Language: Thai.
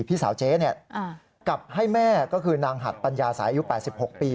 พี่สาวเจ๊เนี่ยกลับให้แม่ก็คือนางหัตปัญญาสายู๘๖ปี